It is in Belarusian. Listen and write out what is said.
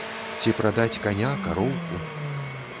Ці прадаць каня, кароўку?